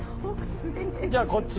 じゃあ、こっち。